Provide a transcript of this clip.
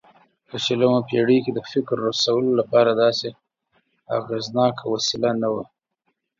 په شلمه پېړۍ کې د فکر رسولو لپاره داسې اغېزناکه وسیله نه وه.